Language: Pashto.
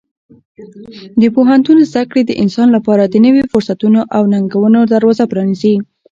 د پوهنتون زده کړې د انسان لپاره د نوي فرصتونو او ننګونو دروازه پرانیزي.